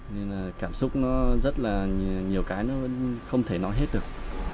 nên là cảm xúc nó rất là nhiều cái nó không thể nói hết được